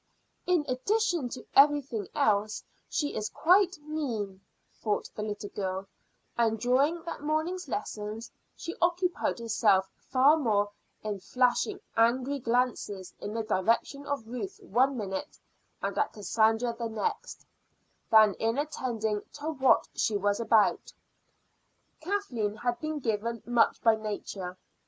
"In addition to everything else, she is quite mean," thought the little girl, and during that morning's lessons she occupied herself far more in flashing angry glances in the direction of Ruth one minute, and at Cassandra the next, than in attending to what she was about. Kathleen had been given much by Nature.